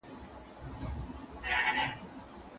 آیا اوښمرغه تر نورو مرغانو لویه ده؟